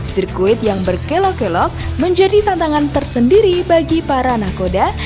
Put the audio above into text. sirkuit yang berkelok kelok menjadi tantangan tersendiri bagi para nakoda